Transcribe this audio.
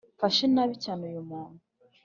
mfashe nabi cyane uyu muntu